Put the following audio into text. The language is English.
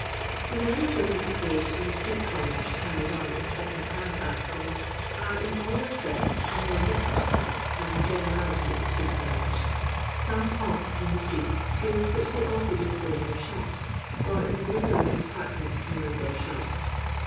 The men and women engaged in the street commerce carried on in second hand articles are, in all respects, a more mixed class than the gene rality of street sellers. Some hawk in the streets goods which they also display in their shops, or in the windowless apartments known as their shops.